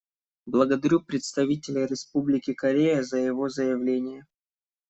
Благодарю представителя Республики Корея за его заявление.